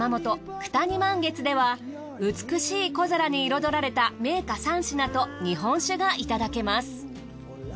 久谷満月では美しい小皿に彩られた銘菓３品と日本酒がいただけます。